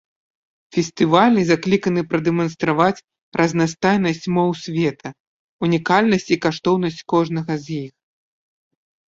Фестывалі закліканы прадэманстраваць разнастайнасць моў света, унікальнасць і каштоўнасць кожнага з іх.